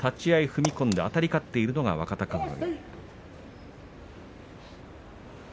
踏み込んであたり勝っているのが若隆景。